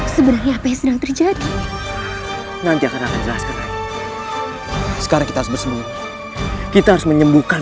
sebenarnya apa yang sedang terjadi nanti akan jelas sekarang kita bersama kita menyembuhkan